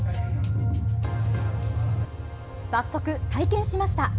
早速、体験しました。